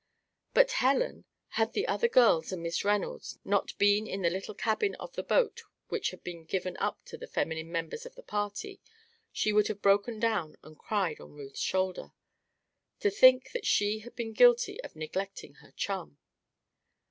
But Helen! had the other girls and Miss Reynolds not been in the little cabin of the boat which had been given up to the feminine members of the party, she would have broken down and cried on Ruth's shoulder. To think that she had been guilty of neglecting her chum!